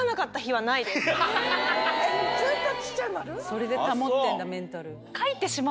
それで保ってんだメンタル。